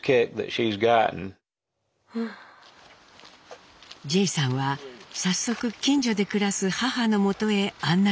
ジェイさんは早速近所で暮らす母のもとへ案内してくれました。